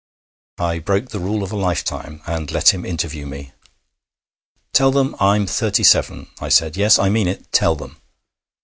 I broke the rule of a lifetime, and let him interview me. 'Tell them I'm thirty seven,' I said. 'Yes, I mean it. Tell them.'